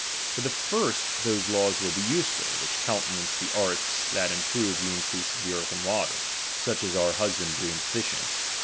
For the first those laws will be useful, which ^H countenance the arts that improve the increase of ^H the earth and water ; such as are husbandry and ^H Jishing.